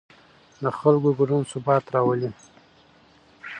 د خلکو ګډون ثبات راولي